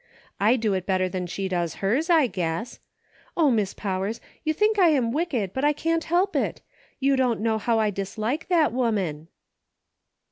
I do it better than she does hers, I guess. O, Miss Powers ! you think I am wicked, but I can't help it ; you don't know how I dislike that woman."